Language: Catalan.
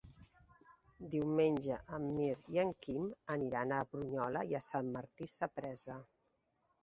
Diumenge en Mirt i en Quim aniran a Brunyola i Sant Martí Sapresa.